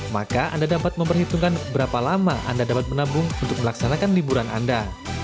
maka anda dapat memperhitungkan berapa lama anda dapat menabung untuk melaksanakan liburan anda